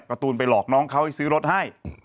การ์ตูนไปหลอกน้องเขาให้ซื้อรถให้